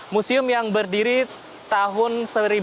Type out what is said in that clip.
museum yang berdiri tahun